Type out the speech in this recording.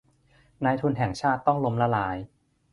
นายทุนแห่งชาติต้องล้มละลาย